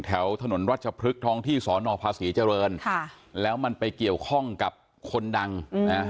แถวถนนรัชพฤกษ์ท้องที่สอนอภาษีเจริญค่ะแล้วมันไปเกี่ยวข้องกับคนดังนะ